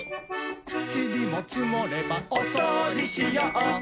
ちりもつもればおそうじしよう！